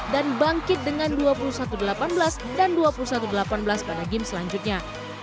dan bangkit dengan dua puluh satu delapan belas dan dua puluh satu delapan belas pada game selanjutnya